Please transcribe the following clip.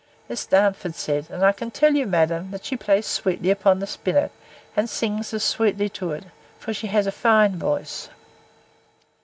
Miss Darnford said, And I can tell you, madam, that she plays sweetly upon the spinnet, and sings as sweetly to it; for she has a fine voice.